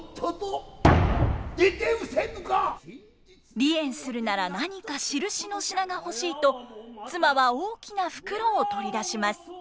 離縁するなら何かしるしの品が欲しいと妻は大きな袋を取り出します。